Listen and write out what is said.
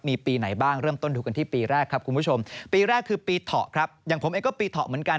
มีปีไหนบ้างเริ่มต้นดูกันที่ปีแรกครับคุณผู้ชมปีแรกคือปีเถาะครับอย่างผมเองก็ปีเถาะเหมือนกัน